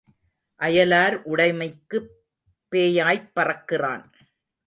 அயலார் உடைமைக்குப் பேயாய்ப் பறக்கிறான்.